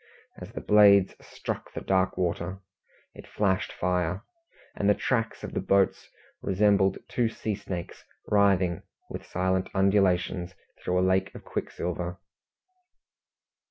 As the blades struck the dark water, it flashed fire, and the tracks of the boats resembled two sea snakes writhing with silent undulations through a lake of quicksilver.